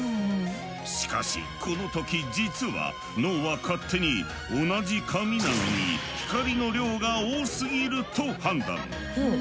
しかしこの時実は脳は勝手に「同じ紙なのに光の量が多すぎる」と判断。